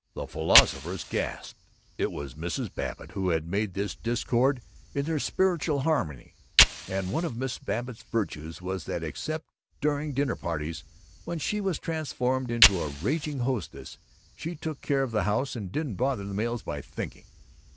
The philosophers gasped. It was Mrs. Babbitt who had made this discord in their spiritual harmony, and one of Mrs. Babbitt's virtues was that, except during dinner parties, when she was transformed into a raging hostess, she took care of the house and didn't bother the males by thinking.